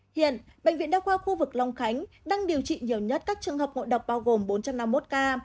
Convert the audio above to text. hiện bệnh viện đa khoa khu vực long khánh đang điều trị nhiều nhất các trường hợp ngộ độc bao gồm bốn trăm năm mươi một ca